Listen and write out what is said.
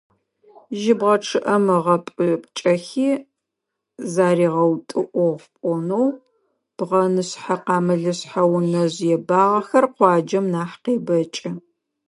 Жьыбгъэ чъыӀэм ыгъэпӀыкӀэхи заригъэутӀыӀугъ пloнэу, бгъэнышъхьэ-къамылышъхьэ унэжъ ебагъэхэр къуаджэм нахь къебэкӀы.